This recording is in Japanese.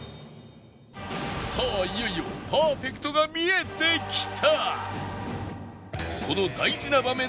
さあいよいよパーフェクトが見えてきた